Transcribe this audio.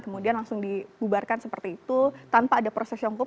kemudian langsung dibubarkan seperti itu tanpa ada proses hukum